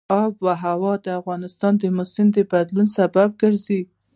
آب وهوا د افغانستان د موسم د بدلون سبب کېږي.